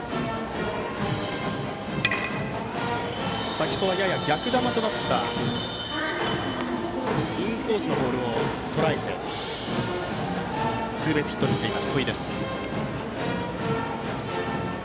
先程はやや逆球となったインコースのボールをとらえてツーベースヒットにしている戸井。